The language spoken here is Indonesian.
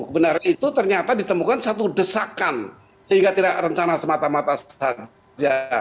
kebenaran itu ternyata ditemukan satu desakan sehingga tidak rencana semata mata saja